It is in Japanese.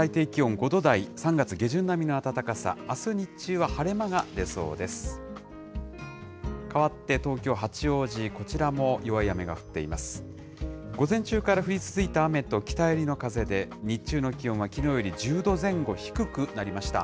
午前中から降り続いた雨と北寄りの風で、日中の気温はきのうより１０度前後低くなりました。